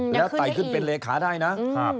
แล้วไต่ขึ้นเป็นเลขาได้นะ